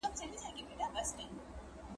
املا په ټولو برخو کي ګټه لري.